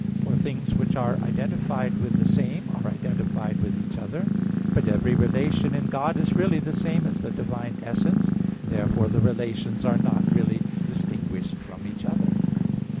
For things which are identified with the same, are identified with each other. But every relation in God is really the same as the divine essence. Therefore the relations are not really distinguished from each other.